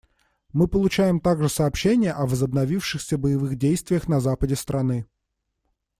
Мы получаем также сообщения о возобновившихся боевых действиях на западе страны.